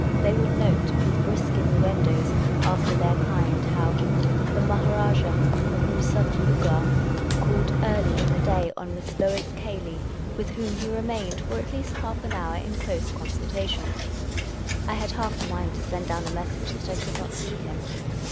Thej^ would note, with brisk innuendoes after their kind, how " the Maharajah of Moozuffernuggar called early in the day on Miss Lois Cayley, with whom he remained for at least half an hour in close consultation," I had half a mind to send down a message that I could not see him.